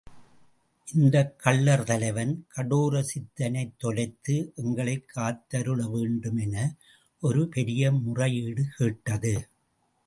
இந்தக் கள்ளர் தலைவன் கடோர சித்தனைத் தொலைத்து எங்களைக் காத்தருள வேண்டும் என ஒருபெரிய முறையீடு கேட்டது.